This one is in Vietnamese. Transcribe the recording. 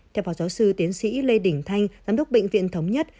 theo phó giáo sư tiến sĩ lê đình thanh giám đốc bệnh viện thống nhất